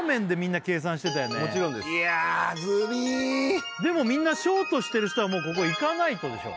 もちろんですでもみんなショートしてる人はもうここいかないとでしょ